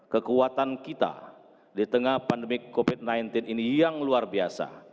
kekuatan kita di tengah pandemi covid sembilan belas ini yang luar biasa